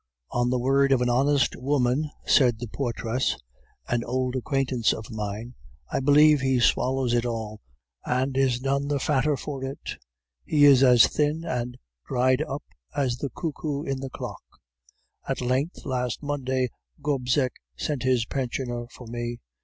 "'On the word of an honest woman,' said the portress, an old acquaintance of mine, 'I believe he swallows it all and is none the fatter for it; he is as thin and dried up as the cuckoo in the clock.' "At length, last Monday, Gobseck sent his pensioner for me.